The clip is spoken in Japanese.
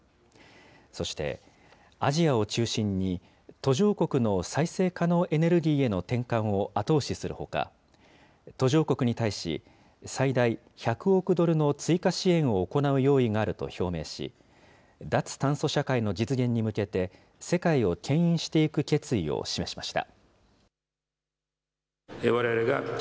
そして、アジアを中心に途上国の再生可能エネルギーへの転換を後押しするほか、途上国に対し、最大１００億ドルの追加支援を行う用意があると表明し、脱炭素社会の実現に向けて、世界をけん引していく決意を示しました。